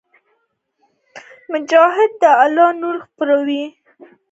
مجاهد د الله نور خپروي.